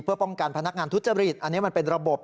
เพื่อป้องกันพนักงานทุจริตอันนี้มันเป็นระบบ